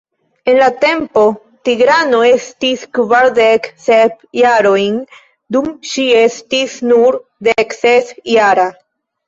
En la tempo, Tigrano estis kvardek sep jarojn dum ŝi estis nur dekses jara.